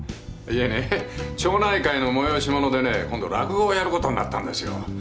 いえね町内会の催し物でね今度落語をやることになったんですよ。